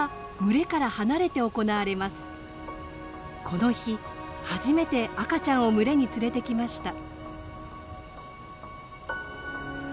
この日初めて赤ちゃんを群れに連れてきました。